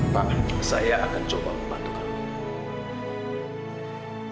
pak saya akan coba membantu kami